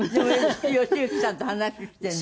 吉行さんと話してるの？